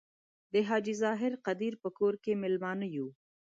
د حاجي ظاهر قدیر په کور کې میلمانه یو.